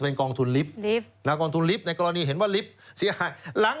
เป็นกองทุนลิฟต์นะกองทุนลิฟต์ในกรณีเห็นว่าลิฟต์เสียหายหลัง